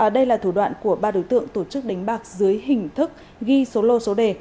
đây là thủ đoạn của ba đối tượng tổ chức đánh bạc dưới hình thức ghi số lô số đề